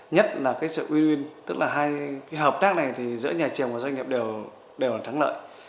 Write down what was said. nhất là sự quy luận tức là hai hợp tác này giữa nhà trường và doanh nghiệp đều là thắng lợi